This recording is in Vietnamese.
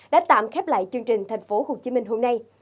đã tạm khép lại chương trình thành phố hồ chí minh hôm nay